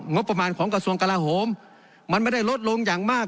งบประมาณของกระทรวงกลาโหมมันไม่ได้ลดลงอย่างมาก